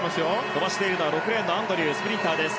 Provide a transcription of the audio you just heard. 飛ばしているのは６レーンのアンドリュースプリンターです。